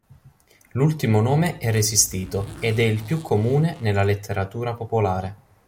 L'ultimo nome è resistito ed è il più comune nella letteratura popolare.